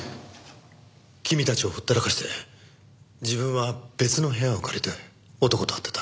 君たちをほったらかして自分は別の部屋を借りて男と会ってた。